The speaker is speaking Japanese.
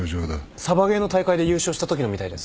サバゲーの大会で優勝したときのみたいです。